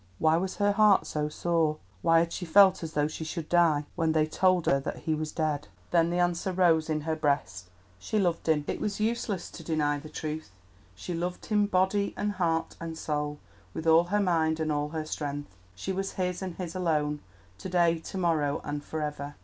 Why was her heart so sore? Why had she felt as though she should die when they told her that he was dead? Then the answer rose in her breast. She loved him; it was useless to deny the truth—she loved him body, and heart and soul, with all her mind and all her strength. She was his, and his alone—to day, to morrow, and for ever.